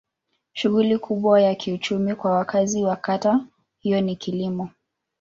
Shughuli kubwa ya kiuchumi kwa wakazi wa kata hiyo ni kilimo.